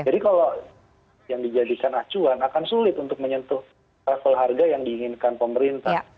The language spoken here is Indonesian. jadi kalau yang dijadikan acuan akan sulit untuk menyentuh level harga yang diinginkan pemerintah